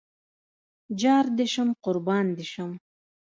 جار دې شم قربان دې شم